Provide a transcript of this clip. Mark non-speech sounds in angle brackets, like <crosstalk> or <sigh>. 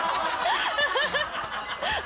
ハハハ <laughs>